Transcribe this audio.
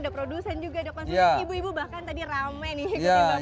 ada produsen juga ada konsumen ibu ibu bahkan tadi ramai nih ikutin bapak